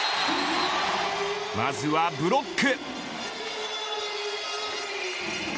まずはブロック。